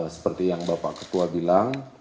seperti yang bapak ketua bilang